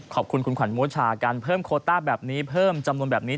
ขอบคุณคุณขวัญโมชาการเพิ่มโคต้าแบบนี้เพิ่มจำนวนแบบนี้